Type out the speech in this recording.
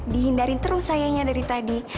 dihindari terus sayangnya dari tadi